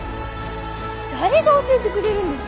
誰が教えてくれるんですか？